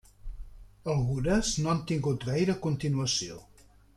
Algunes no han tingut gaire continuació.